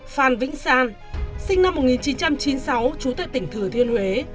phan vĩnh san sinh năm một nghìn chín trăm chín mươi sáu trú tại tỉnh thừa thiên huế